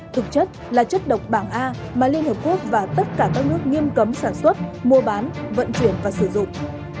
thực chất là chất độc bảng a mà liên hợp quốc và tất cả các nước nghiêm cấm sản xuất mua bán vận chuyển và sử dụng